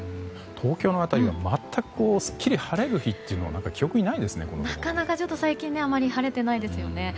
東京の辺りは全く、すっきり晴れる日もなかなか、最近あまり晴れてないですよね。